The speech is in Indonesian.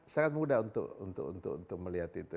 sangat mudah untuk melihat itu